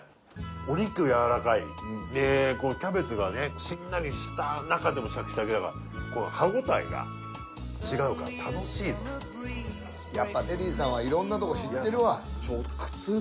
お肉やわらかいでこのキャベツがねしんなりした中でもシャキシャキだからこの歯応えが違うから楽しいぞやっぱうまいそう絶妙いやうまいわいや